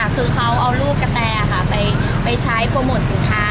คือเค้าเอารูปกระแตอหาไปใช้โฟมอตสินค้า